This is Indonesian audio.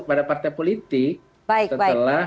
kepada partai politik baik baik setelah